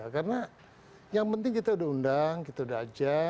karena yang penting kita sudah undang kita sudah ajak